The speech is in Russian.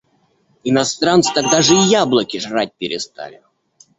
Иностранцы так даже и яблоки жрать перестали.